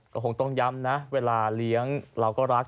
ก็คงต้องย้ำนะเวลาเลี้ยงเราก็รัก